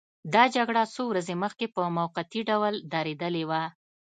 دا جګړه څو ورځې مخکې په موقتي ډول درېدلې وه.